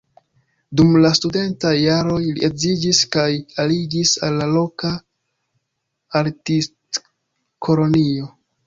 Dum la studentaj jaroj li edziĝis kaj aliĝis al la loka artistkolonio.